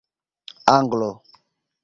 Anglo